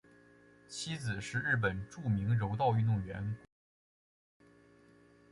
妻子是日本著名柔道运动员谷亮子。